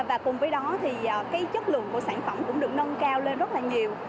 và cùng với đó thì cái chất lượng của sản phẩm cũng được nâng cao lên rất là nhiều